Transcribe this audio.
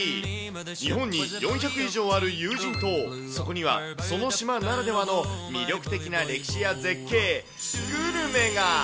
日本に４００以上ある有人島、そこにはその島ならではの魅力的な歴史や絶景、グルメが。